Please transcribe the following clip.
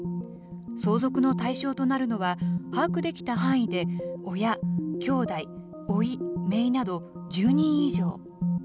相続の対象となるのは把握できた範囲で親、兄弟、おい、めいなど１０人以上。